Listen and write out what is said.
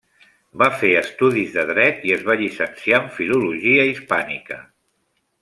Va fer estudis de Dret i es va llicenciar en Filologia hispànica.